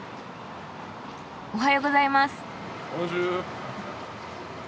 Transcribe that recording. おはようございます。